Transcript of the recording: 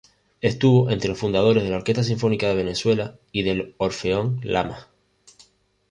Estuvo entre los fundadores de la Orquesta Sinfónica Venezuela, y del Orfeón Lamas.